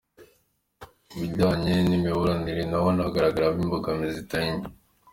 Ku bijyanye n’imiburanire naho haragaragaramo imbogamizi zitari nke: